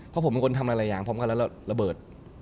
เพราะผมเป็นคนทำอะไรอย่างพร้อมกันแล้วระเบิด